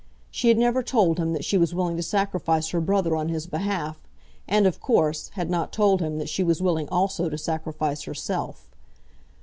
She had never told him that she was willing to sacrifice her brother on his behalf, and, of course, had not told him that she was willing also to sacrifice herself.